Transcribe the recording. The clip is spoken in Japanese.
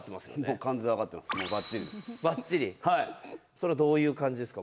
それはどういう感じですか？